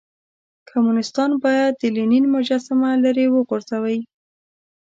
کمونيستان بايد د لينن مجسمه ليرې وغورځوئ.